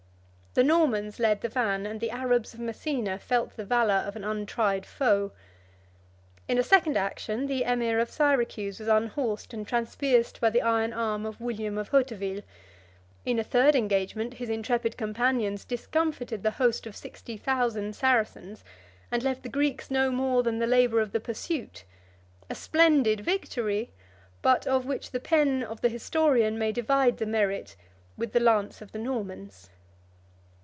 The Normans led the van and the Arabs of Messina felt the valor of an untried foe. In a second action the emir of Syracuse was unhorsed and transpierced by the iron arm of William of Hauteville. In a third engagement, his intrepid companions discomfited the host of sixty thousand Saracens, and left the Greeks no more than the labor of the pursuit: a splendid victory; but of which the pen of the historian may divide the merit with the lance of the Normans.